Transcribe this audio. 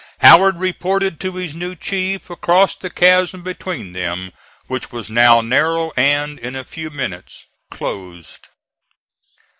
Howard reported to his new chief across the chasm between them, which was now narrow and in a few minutes closed.